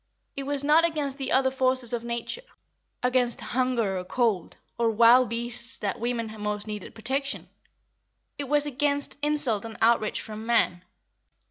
It was not against the other forces of nature, against hunger or cold, or wild beasts that women most needed protection; it was against insult and outrage from man.